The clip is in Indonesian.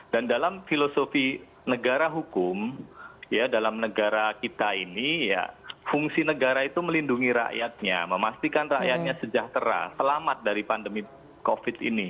dan dalam filosofi negara hukum dalam negara kita ini fungsi negara itu melindungi rakyatnya memastikan rakyatnya sejahtera selamat dari pandemi covid ini